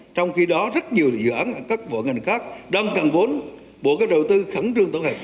trong khi đó rất nhiều dự án các bộ ngành khác đang cần vốn bộ các đầu tư khẳng trương tổng hợp